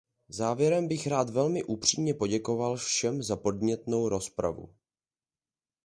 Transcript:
Závěrem bych rád velmi upřímně poděkoval všem za podnětnou rozpravu.